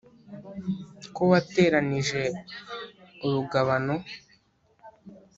ko wateranije urugabano.